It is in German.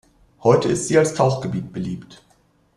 Heute ist sie als Tauchgebiet beliebt.